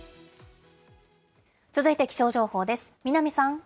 続いて気象情報です。